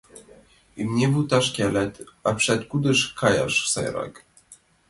Имне вӱташке але апшат кудыш каяш сайрак.